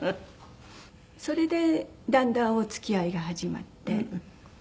それでだんだんお付き合いが始まって。